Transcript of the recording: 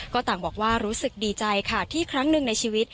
ก็ต่างบอกว่ารู้สึกดีใจค่ะที่ครั้งหนึ่งในชีวิต